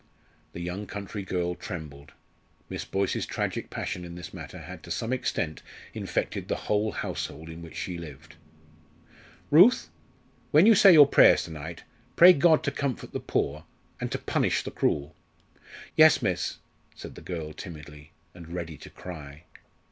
The young country girl trembled. Miss Boyce's tragic passion in this matter had to some extent infected the whole household in which she lived. "Ruth, when you say your prayers to night, pray God to comfort the poor, and to punish the cruel!" "Yes, miss," said the girl, timidly, and ready to cry.